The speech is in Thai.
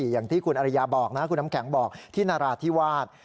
อย่างที่คุณอริยาบอกนะคุณน้ำแข็งบอกที่นราธิวาส